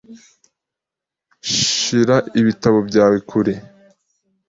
Shira ibitabo byawe kure .